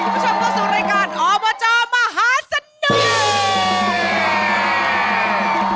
แล้วพูดชมก็สู่รายการอบจมหาสนุก